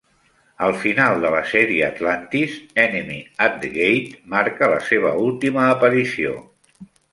El final de la sèrie "Atlantis", "Enemy at the Gate", marca la seva última aparició.